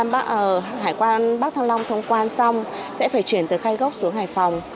bác ở hải quan bắc thăng long thông quan xong sẽ phải chuyển từ khai gốc xuống hải phòng